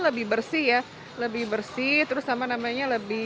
lebih bersih ya lebih bersih terus sama namanya lebih